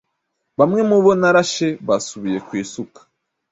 Bamwe mubo narashe basubiye kw’isuka